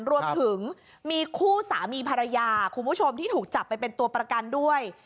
รวมถึงมีคู่สามีภรรยาคุณผู้ชมที่ถูกจับไปเป็นตัวประกันด้วย